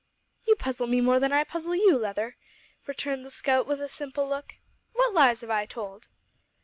"You puzzle me more than I puzzle you, Leather," returned the scout with a simple look. "What lies have I told?"